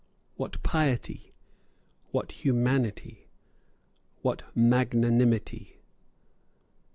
What piety! What humanity! What magnanimity!